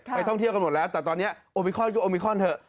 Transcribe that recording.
ท่องเที่ยวกันหมดแล้วแต่ตอนนี้โอมิคอนก็โอมิคอนเถอะ